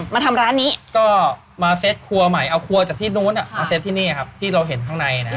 มาทำร้านนี้ก็มาเซ็ตครัวใหม่เอาครัวจากที่นู้นมาเซ็ตที่นี่ครับที่เราเห็นข้างในนะฮะ